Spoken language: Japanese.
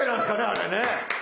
あれね。